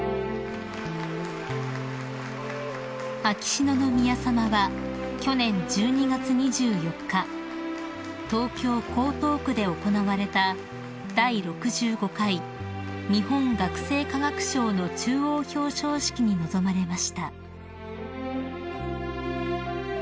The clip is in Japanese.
［秋篠宮さまは去年１２月２４日東京江東区で行われた第６５回日本学生科学賞の中央表彰式に臨まれました］